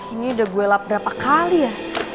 ini udah gue lap berapa kali ya